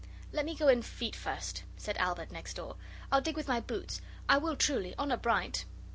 'Let me go in feet first,' said Albert next door. 'I'll dig with my boots I will truly, honour bright.